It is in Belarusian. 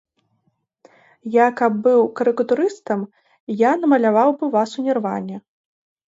Я каб быў карыкатурыстам, я намаляваў бы вас у нірване.